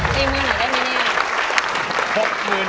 จริงหน่อยได้ไหมเนี่ย